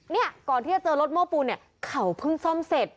เนี่ยก่อนที่จะเจอรถโม้ปูนเนี่ยเขาเพิ่งซ่อมเสร็จ